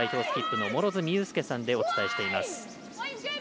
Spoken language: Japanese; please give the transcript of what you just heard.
スキップの両角友佑さんでお伝えしています。